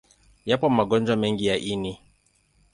Yapo magonjwa mengi ya ini.